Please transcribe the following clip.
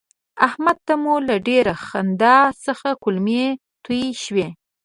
احمد ته مو له ډېرې خندا څخه کولمې توی شوې.